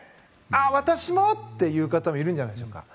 私も！という方もいるんじゃないでしょうか。